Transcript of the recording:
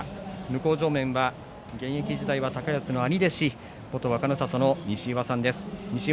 向正面には現役時代高安の兄弟子元若の里の西岩さんです。